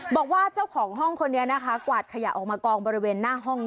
บอกว่าเจ้าของห้องคนนี้นะคะกวาดขยะออกมากองบริเวณหน้าห้อง